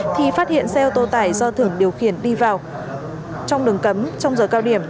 thì phát hiện xe ô tô tải do thưởng điều khiển đi vào trong đường cấm trong giờ cao điểm